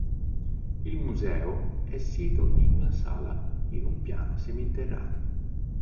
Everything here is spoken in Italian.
Il museo è sito in una sala in un piano seminterrato.